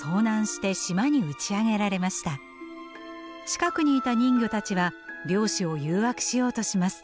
近くにいた人魚たちは漁師を誘惑しようとします。